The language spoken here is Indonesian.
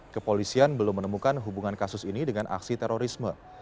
kepolisian belum menemukan hubungan kasus ini dengan aksi terorisme